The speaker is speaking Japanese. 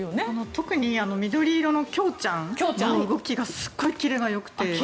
特に緑色のきょうちゃんの動きがすごくキレがよくて。